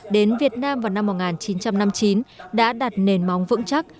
đến việt nam vào năm một nghìn chín trăm năm mươi chín đã đặt nền móng vững chắc